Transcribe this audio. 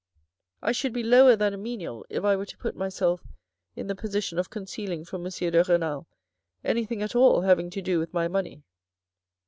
I should be lower than a menial if I were to put myself in the position of concealing from M de. Renal anything at all having to do with my money."